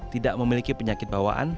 tidak memiliki penyakit bawaan